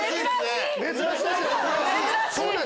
珍しい！